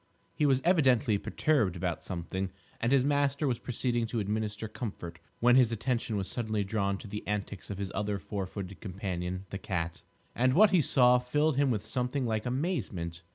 He was evidently perturbed about something, and his master was proceeding to administer comfort when his attention was suddenly drawn to the antics of his other four footed companion, the cat. And what he saw filled him with something like amazement.